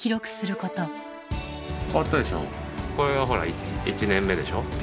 これがほら１年目でしょ。